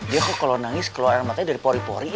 dia kok kalau nangis keluaran matanya dari pori pori